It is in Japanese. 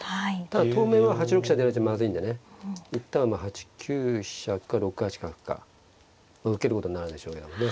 ただ当面は８六飛車出られちゃまずいんでね一旦は８九飛車か６八角か受けることになるでしょうけどもね。